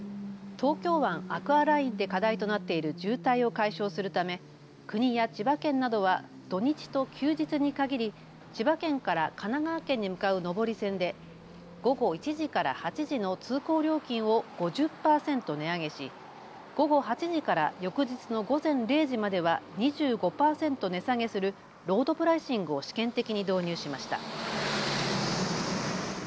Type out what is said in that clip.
東京湾アクアラインで課題となっている渋滞を解消するため国や千葉県などは土日と休日に限り、千葉県から神奈川県に向かう上り線で午後１時から８時の通行料金を５０％値上げし、午後８時から翌日の午前０時までは２５％値下げするロードプライシングを試験的に導入しました。